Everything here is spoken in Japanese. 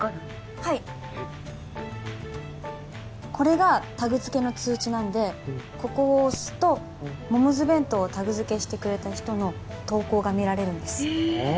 はいこれがタグ付けの通知なんでここを押すとモモズ弁当をタグ付けしてくれた人の投稿が見られるんですへえああ